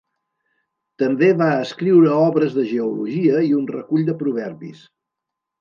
També va escriure obres de geologia i un recull de proverbis.